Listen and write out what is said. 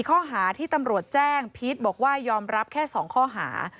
ข้อหาที่ตำรวจแจ้งพีชบอกว่ายอมรับแค่๒ข้อหา